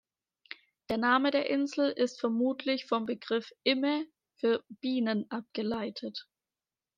Der Name der Insel ist vermutlich vom Begriff „Imme“ für Bienen abgeleitet.